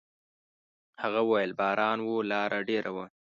هغه وويل: «باران و، لاره ډېره وه.»